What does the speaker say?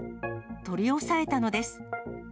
取り押さえたのです。